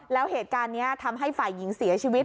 แล้วเหตุการณ์นี้ทำให้ฝ่ายหญิงเสียชีวิต